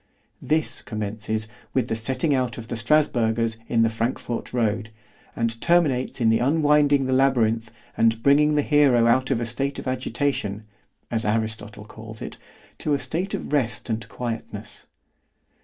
This commences with the setting out of the Strasburgers in the Frankfort road, and terminates in unwinding the labyrinth and bringing the hero out of a state of agitation (as Aristotle calls it) to a state of rest and quietness.